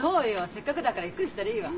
せっかくだからゆっくりしたらいいわ。